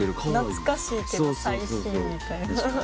懐かしいけど最新みたいな。